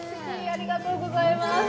ありがとうございます。